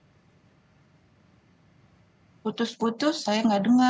mbak dita soal posko pengaduan untuk perusahaan perusahaan yang masih bandel